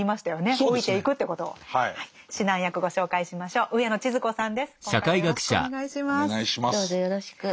どうぞよろしく。